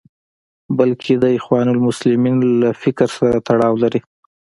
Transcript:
بلکې د اخوان المسلمین له فکر سره تړاو لري.